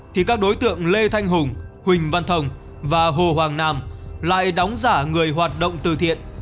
thì các đối tượng lê thanh hùng huỳnh văn thông và hồ hoàng nam lại đóng giả người hoạt động từ thiện